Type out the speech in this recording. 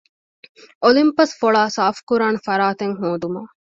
އޮލިމްޕަސް ފޮޅާ ސާފުކުރާނެ ފަރާތެއް ހޯދުމަށް